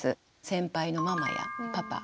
先輩のママやパパ